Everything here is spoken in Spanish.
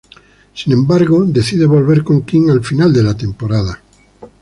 Sin embargo, decide volver con Kim al final de la temporada.